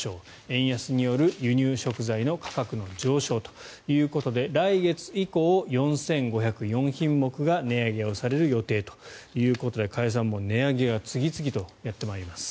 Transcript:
円安による輸入食材の価格の上昇ということで来月以降、４５０４品目が値上げされる予定ということで加谷さん、もう値上げが次々とやってきます。